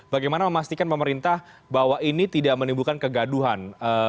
bagaimana memastikan pemerintah bahwa ini tidak menimbulkan kegaduhan